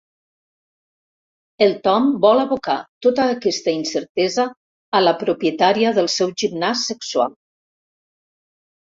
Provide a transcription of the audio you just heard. El Tom vol abocar tota aquesta incertesa a la propietària del seu gimnàs sexual.